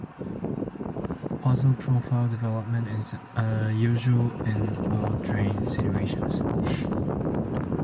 Podzol profile development is usual in well-drained situations.